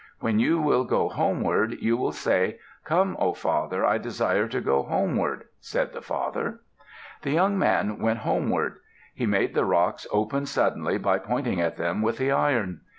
When you will go homeward, you will say, 'Come, O father, I desire to go homeward,'" said the father. The young man went homeward. He made the rocks open suddenly by pointing at them with the iron.